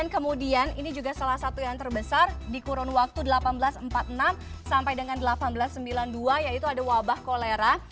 kemudian ini juga salah satu yang terbesar di kurun waktu seribu delapan ratus empat puluh enam sampai dengan seribu delapan ratus sembilan puluh dua yaitu ada wabah kolera